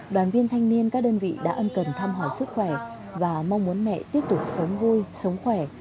đoàn viên thanh niên các đơn vị đã ân cần thăm hỏi sức khỏe và mong muốn mẹ tiếp tục sống vui sống khỏe